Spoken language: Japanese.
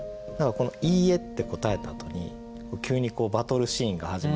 「いいえ」って答えたあとに急にバトルシーンが始まるような。